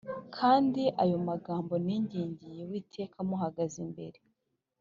Kandi ayo magambo ningingiye Uwiteka muhagaze imbere